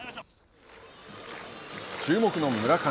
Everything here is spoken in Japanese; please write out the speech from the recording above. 注目の村上。